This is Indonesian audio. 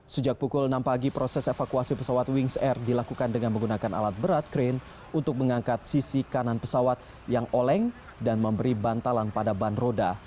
sejak pukul enam pagi proses evakuasi pesawat wings air dilakukan dengan menggunakan alat berat krain untuk mengangkat sisi kanan pesawat yang oleng dan memberi bantalan pada ban roda